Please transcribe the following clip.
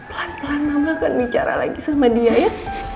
pelan pelan nama akan bicara lagi sama dia ya